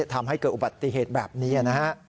ทำให้เกิดอุบัติเหตุแบบนี้นะฮะ